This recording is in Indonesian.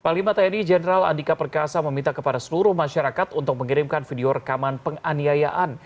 panglima tni jenderal andika perkasa meminta kepada seluruh masyarakat untuk mengirimkan video rekaman penganiayaan